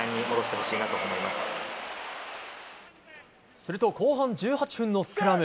すると後半１８分のスクラム。